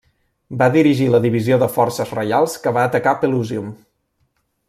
Va dirigir la divisió de forces reials que va atacar Pelusium.